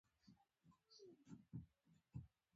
هغه په کنځلو وویل چې احمقه دلته څه کوې